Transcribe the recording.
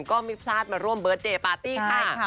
ก็ไม่พลาดมาร่วมเบิร์ตเดย์ปาร์ตี้ค่ะ